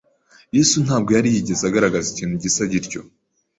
Yesu ntabwo yari yarigeze agaragaza ikintu gisa gityo.